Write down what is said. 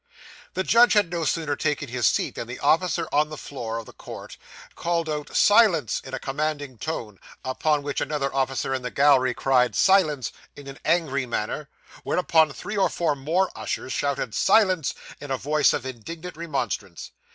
The judge had no sooner taken his seat, than the officer on the floor of the court called out 'Silence!' in a commanding tone, upon which another officer in the gallery cried 'Silence!' in an angry manner, whereupon three or four more ushers shouted 'Silence!' in a voice of indignant remonstrance.